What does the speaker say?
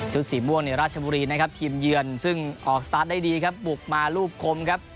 สีม่วงในราชบุรีนะครับทีมเยือนซึ่งออกสตาร์ทได้ดีครับบุกมารูปคมครับ